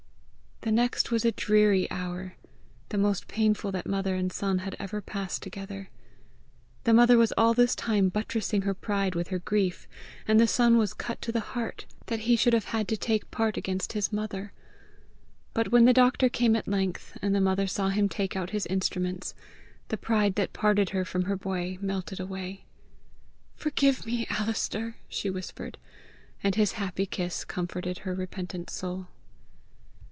The next was a dreary hour the most painful that mother and son had ever passed together. The mother was all this time buttressing her pride with her grief, and the son was cut to the heart that he should have had to take part against his mother. But when the doctor came at length, and the mother saw him take out his instruments, the pride that parted her from her boy melted away. "Forgive me, Alister!" she whispered; and his happy kiss comforted her repentant soul.